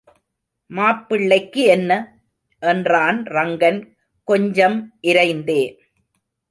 மாப்பிள்ளைக்கு என்ன? என்றான் ரங்கன், கொஞ்சம் இரைந்தே.